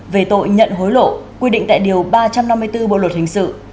về tội nhận hối lộ quy định tại điều ba trăm năm mươi bốn bộ luật hình sự